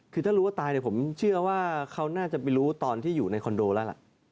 คือถ้ารู้ว่าตายเนี่ยผมเชื่อว่าเขาน่าจะไปรู้ตอนที่อยู่ในคอนโดแล้วล่ะ